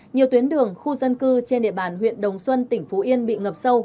nhiều tuyến đường khu dân cư trên địa bàn huyện đồng xuân tỉnh phú yên bị ngập sâu